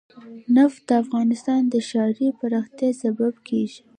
نفت د افغانستان د ښاري پراختیا سبب کېږي.